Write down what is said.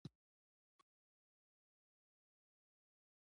په سړو سیمو کې مقاوم قیر کارول کیږي